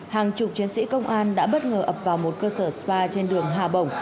hàng chục chiến sĩ công an đã bất ngờ ập vào một cơ sở spa trên đường hà bổng